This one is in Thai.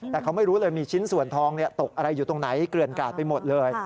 แต่เขาไม่รู้เลยมีชิ้นส่วนทองตกอะไรอยู่ตรงไหนเกลือนกาดไปหมดเลย